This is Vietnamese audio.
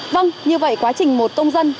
vâng như vậy quá trình một tôn dân